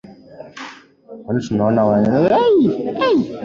kwani tunaona watu wenye kubeba sihala